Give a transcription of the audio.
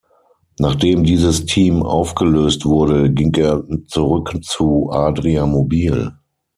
Nachdem dieses Team aufgelöst wurde, ging er zurück zu Adria Mobil.